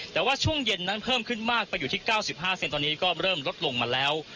แต่ว่าช่วงเย็นนั้นเพิ่มขึ้นมากไปอยู่ที่๙๕เซนตอนนี้ก็เริ่มลดลงมาแล้ว